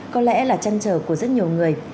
có lẽ là trăn trở của rất nhiều người